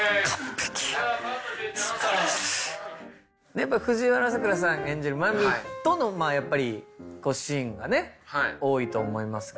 やっぱ藤原さくらさん演じる麻美とのシーンがね多いと思いますが。